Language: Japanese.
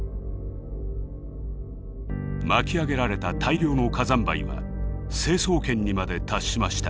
巻き上げられた大量の火山灰は成層圏にまで達しました。